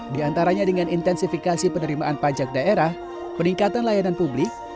diantaranya dengan intensifikasi penerimaan pajak daerah peningkatan layanan publik